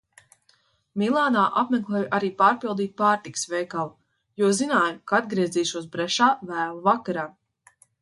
Milānā apmeklēju arī pārpildītu pārtikas veikalu, jo zināju, ka atgriezīšos Brešā vēlu vakarā.